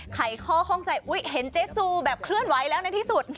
ไขข้อข้องใจอุ๊ยเห็นเจ๊จูแบบเคลื่อนไหวแล้วในที่สุด